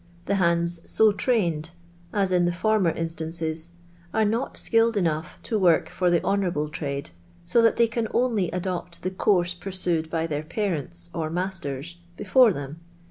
The hands so trained (as in the former instances) are not skilled enough to work for the honourable trade, so that they can only adopt the course pursued by their parents, or masters, before them.